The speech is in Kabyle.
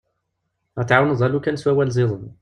Ad t-tɛiwneḍ alukan s wawal ziden.